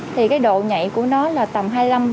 thì cái độ nhạy của nó là tầm hai mươi năm ba mươi